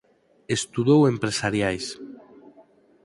Estudou Empresariais.